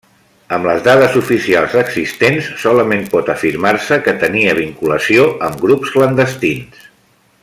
Amb les dades oficials existents, solament pot afirmar-se que tenia vinculació amb grups clandestins.